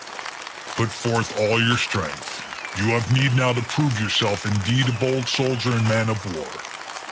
Put forth all your strength; you have need now to prove yourself indeed a bold soldier and man of war.